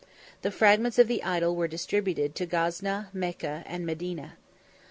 The fragments of the idol were distributed to Gazna, Mecca, and Medina.